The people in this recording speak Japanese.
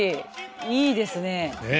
いいですねえ。